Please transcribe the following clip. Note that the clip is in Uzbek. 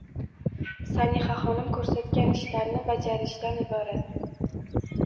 Sanihaxonim ko'rsatgan ishlarni bajarishdan iborat.